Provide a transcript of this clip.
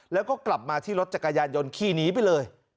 แล้วก็กลับมาที่รถจักรยานยนต์ขี่หนีไปเลย